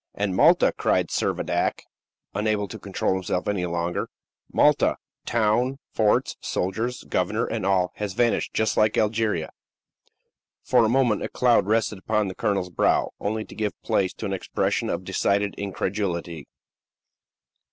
"And Malta," cried Servadac, unable to control himself any longer; "Malta town, forts, soldiers, governor, and all has vanished just like Algeria." For a moment a cloud rested upon the colonel's brow, only to give place to an expression of decided incredulity.